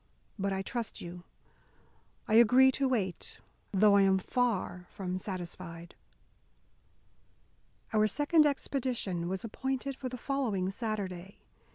But I trust you, I agree to wait, though I am far from satisfied." Our second expedition was appointed for the following Saturday.